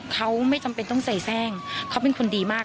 เขาไม่จำเป็นต้องใส่แทร่งเขาเป็นคนดีมาก